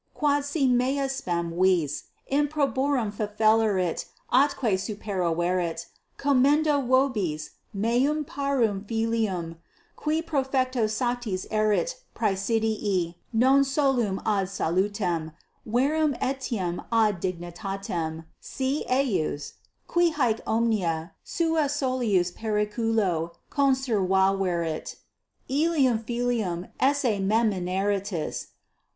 Quodsi meam spem vis improborum fefellerit atque superaverit, commendo vobis meum parvum filium, cui profecto satis erit praesidii non solum ad salutem, verum etiam ad dignitatem, si eius, qui haec omnia suo solius periculo conservaverit, illum filium esse memineritis.